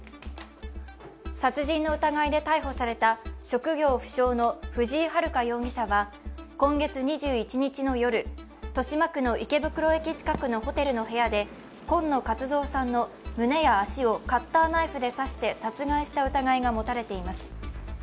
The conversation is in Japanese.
殺人の疑いで逮捕された職業不詳の藤井遥容疑者は今月２１日の夜、豊島区の池袋駅近くのホテルの部屋で今野勝蔵さんの胸や足をカッターナイフで刺して殺害した疑いが持たれています。